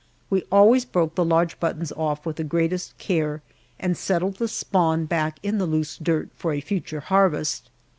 We always broke the large buttons off with the greatest care and settled the spawn back in the loose dirt for a future harvest.